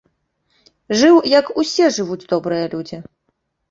Жыў, як усе жывуць добрыя людзі.